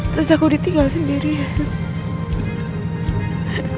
terus aku ditinggal sendirian